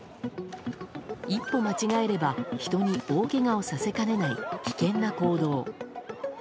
一歩間違えれば、人に大けがをさせかねない危険な行動。